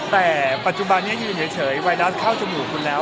แต่ปัจจุบันนี้ยืนเฉยไวรัสเข้าจมูกคุณแล้ว